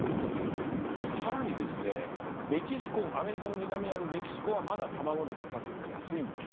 更に、メキシコアメリカの南にあるメキシコはまだ卵の価格が安いんです。